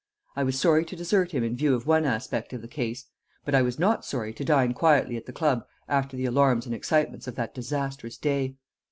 I was sorry to desert him in view of one aspect of the case; but I was not sorry to dine quietly at the club after the alarms and excitements of that disastrous day.